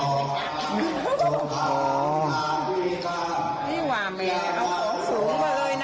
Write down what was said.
นี่ว่าแม่เอาของสูงมาเลยนะ